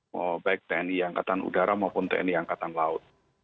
mau baik tni angkatan udara maupun tni angkatan laut